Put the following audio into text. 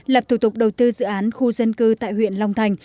lập thủ tục đầu tư dự án khu dân cư tại huyện long thành